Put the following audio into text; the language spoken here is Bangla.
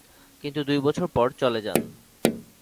কিন্তু দুই বছর পর চলে যান।